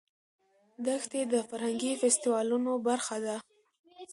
دښتې د فرهنګي فستیوالونو برخه ده.